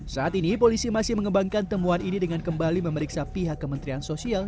saat ini polisi masih mengembangkan temuan ini dengan kembali memeriksa pihak kementerian sosial